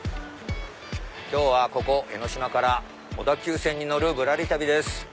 今日はここ江ノ島から小田急線に乗るぶらり旅です。